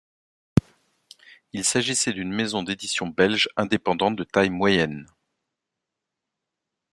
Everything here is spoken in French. Il s'agissait d’une maison d’édition belge indépendante de taille moyenne.